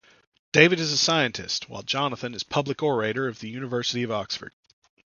David is a scientist, while Jonathan is Public Orator of The University of Oxford.